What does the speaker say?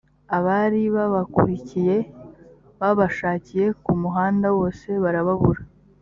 abari babakurikiye, babashakiye ku muhanda wose, barababura.